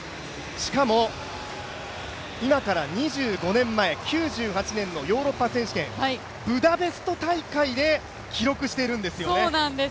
しかも今から２５年前、９８年のヨーロッパ選手権ブダペスト大会で記録しているんですよね。